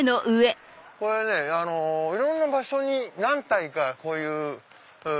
これねいろんな場所に何体かこういう。